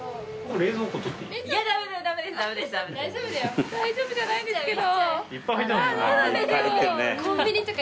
大丈夫じゃないですけど。